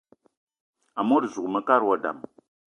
Amot zuga mekad wa dam: